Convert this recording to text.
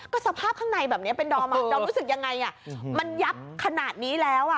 ก็สภาพข้างในแบบนี้เป็นดอมอ่ะดอมรู้สึกยังไงมันยับขนาดนี้แล้วอ่ะ